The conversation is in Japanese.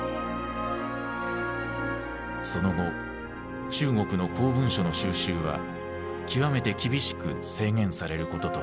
その後中国の公文書の収集は極めて厳しく制限されることとなった。